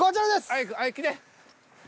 早く来て。